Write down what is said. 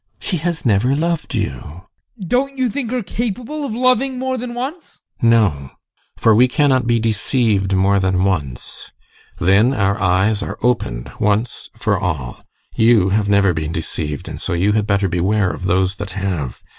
She has never loved you! ADOLPH. Don't you think her capable of loving more than once? GUSTAV. No, for we cannot be deceived more than once. Then our eyes are opened once for all. You have never been deceived, and so you had better beware of those that have.